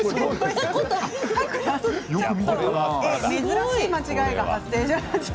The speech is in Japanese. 珍しい間違いが発生しました